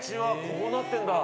こうなってるんだ。